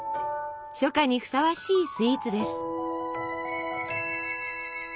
初夏にふさわしいスイーツです。